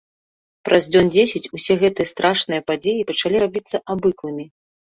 Праз дзён дзесяць усе гэтыя страшныя падзеі пачалі рабіцца абыклымі.